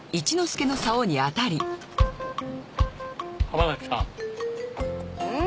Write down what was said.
浜崎さん。